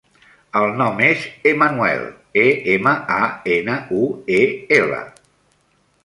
El nom és Emanuel: e, ema, a, ena, u, e, ela.